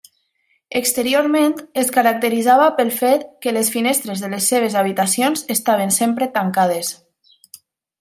Exteriorment es caracteritzava pel fet que les finestres de les seves habitacions estaven sempre tancades.